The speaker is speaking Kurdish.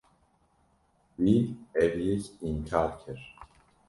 Wî ev yek înkar kir.